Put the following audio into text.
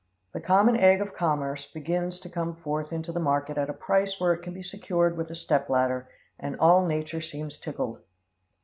The common egg of commerce begins to come forth into the market at a price where it can be secured with a step ladder, and all nature seems tickled.